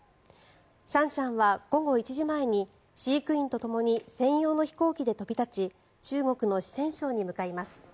シャンシャンは午後１時前に飼育員とともに専用の飛行機で飛び立ち中国の四川省に向かいます。